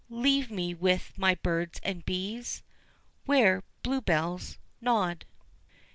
leave me with my birds and bees, Where blue bells nod.